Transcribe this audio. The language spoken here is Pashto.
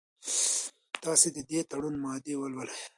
تاسي د دې تړون مادې ولولئ.